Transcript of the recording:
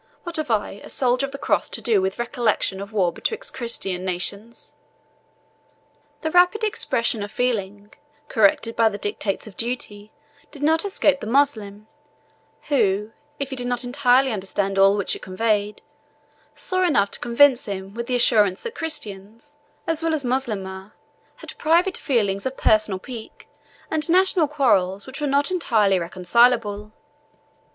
what have I, a soldier of the Cross, to do with recollection of war betwixt Christian nations!" The rapid expression of feeling corrected by the dictates of duty did not escape the Moslem, who, if he did not entirely understand all which it conveyed, saw enough to convince him with the assurance that Christians, as well as Moslemah, had private feelings of personal pique, and national quarrels, which were not entirely reconcilable.